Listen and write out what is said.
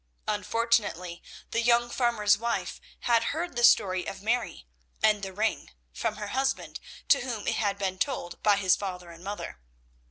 Unfortunately the young farmer's wife had heard the story of Mary and the ring from her husband, to whom it had been told by his father and mother.